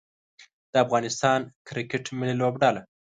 د افغانستان کرکټ ملي لوبډله